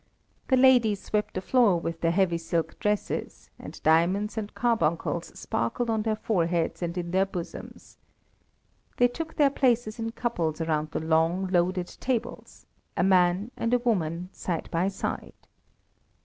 The ladies swept the floor with their heavy silk dresses, and diamonds and carbuncles sparkled on their foreheads and in their bosoms. They took their places in couples around the long, loaded tables, a man and a woman side by side.